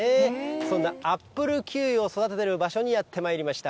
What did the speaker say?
そんなアップルキウイを育てている場所にやってまいりました。